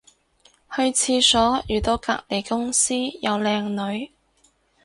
去廁所遇到隔離公司有靚女